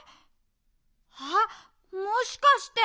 あっもしかして！